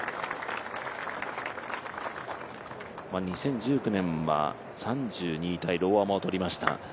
２０１９年は３２位タイローアマをとりました。